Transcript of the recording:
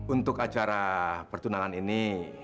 untuk acara pertunangan ini